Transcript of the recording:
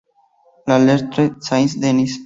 Le Tertre-Saint-Denis